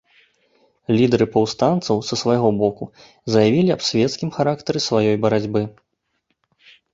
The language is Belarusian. Лідары паўстанцаў, са свайго боку, заявілі аб свецкім характары сваёй барацьбы.